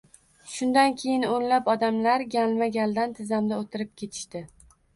Shundan keyin o`nlab odamlar galma-galdan tizzamda o`tirib ketishdi